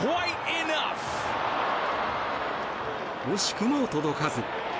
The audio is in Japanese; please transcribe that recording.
惜しくも届かず。